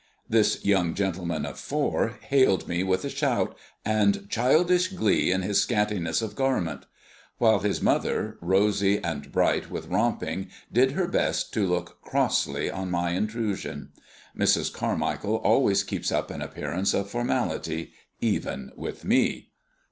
This young gentleman of four hailed me with a shout, and childish glee in his scantiness of garment; while his mother, rosy and bright with romping, did her best to look crossly on my intrusion. Mrs. Carmichael always keeps up an appearance of formality, even with me.